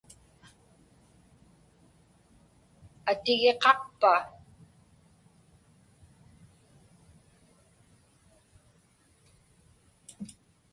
Atigiqaqpa?